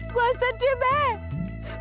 gua sedih mbak